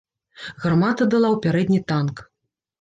Гармата дала ў пярэдні танк.